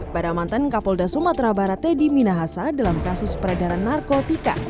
pada mantan kapolda sumatera barat teddy minahasa dalam kasus peredaran narkotika